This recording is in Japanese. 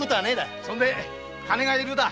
そんで金が要るだ。